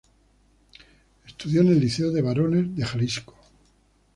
Estudió en el Liceo de Varones de Jalisco.